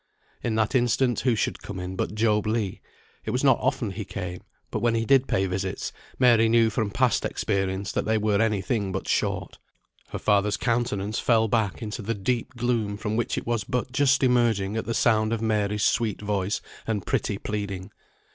At that instant, who should come in but Job Legh. It was not often he came, but when he did pay visits, Mary knew from past experience they were any thing but short. Her father's countenance fell back into the deep gloom from which it was but just emerging at the sound of Mary's sweet voice, and pretty pleading.